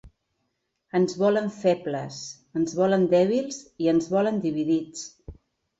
Ens volen febles, ens volen dèbils i ens volen dividits.